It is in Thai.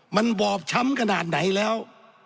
มันบอบช้ำขนาดไหนแล้ว